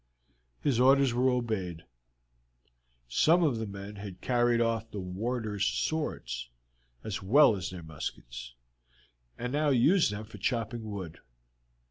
His orders were obeyed. Some of the men had carried off the warders' swords as well as their muskets, and now used them for chopping wood.